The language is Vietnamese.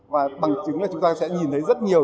và bằng chứng là chúng ta sẽ nhìn thấy rất nhiều